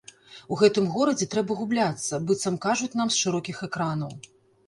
У гэтым горадзе трэба губляцца, быццам кажуць нам з шырокіх экранаў.